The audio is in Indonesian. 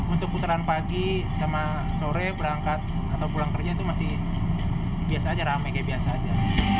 untuk putaran pagi sama sore berangkat atau pulang kerja itu masih biasa aja rame kayak biasa aja